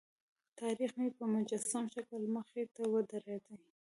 تاریخ مې په مجسم شکل مخې ته ودرېد.